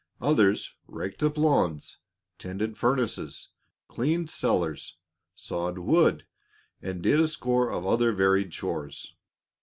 Others raked up lawns, tended furnaces, cleaned cellars, sawed wood, and did a score of other varied chores.